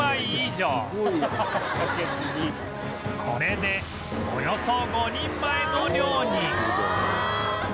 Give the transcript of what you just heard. これでおよそ５人前の量に